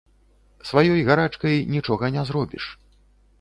Сваёй гарачкай нічога не зробіш.